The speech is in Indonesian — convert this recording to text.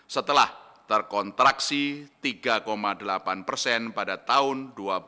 setelah terkontraksi tiga delapan persen pada tahun dua ribu dua puluh